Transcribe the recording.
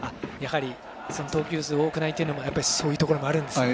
投球数、多くないっていうのもそういうところもあるんですね。